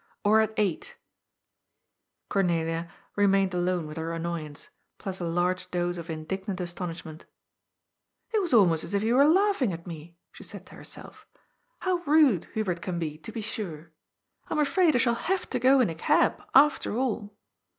Or at eight" Cornelia remained alone with her annoyance, plus a large dose of indignant astonishment. ^' It was almost as if he were laughing at me," she said to herself. ^'How rude Hubert can be, to be sure ! I am afraid I shall have to go in a cab, after all."